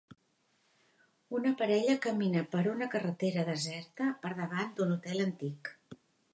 Una parella camina per una carretera deserta, per davant d'un hotel antic.